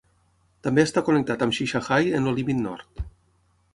També està connectat amb Shichahai en el límit nord.